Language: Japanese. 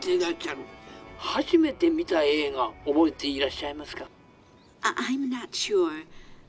初めて見た映画覚えていらっしゃいますか？」。